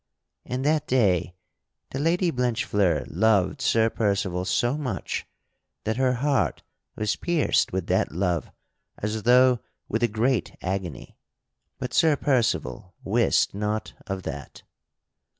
And that day the Lady Blanchefleur loved Sir Percival so much that her heart was pierced with that love as though with a great agony. But Sir Percival wist not of that.